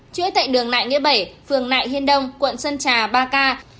chuỗi tại đường nại nghĩa bảy phường nại hiên đông quận sân trà ba ca